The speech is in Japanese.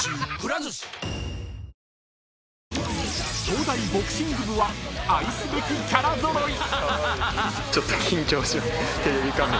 ［東大ボクシング部は愛すべきキャラ揃い］